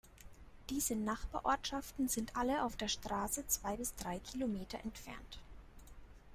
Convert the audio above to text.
Diese Nachbarortschaften sind alle auf der Straße zwei bis drei Kilometer entfernt.